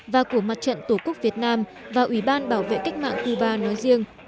và của mặt trận tổ quốc việt nam và ủy ban bảo vệ cách mạng cuba nói riêng